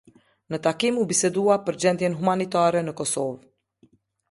Në takim u bisedua për gjendjen humanitare në Kosovë.